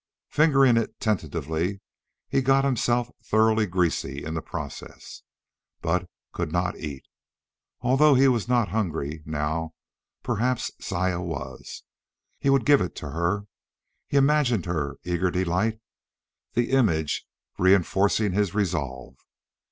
Fingering it tentatively, he got himself thoroughly greasy in the process, but could not eat. Although he was not hungry now, perhaps Saya was. He would give it to her. He imagined her eager delight, the image reinforcing his resolve.